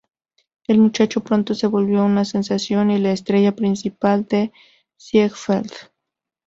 El muchacho pronto se volvió una sensación y la estrella principal de Ziegfeld.